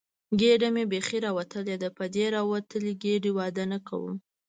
ګېډه مې بیخي راوتلې ده، په دې راوتلې ګېډې واده نه کوم.